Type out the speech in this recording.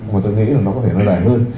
mà tôi nghĩ là nó có thể nó rẻ hơn